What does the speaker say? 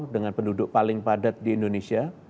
dengan penduduk paling padat di indonesia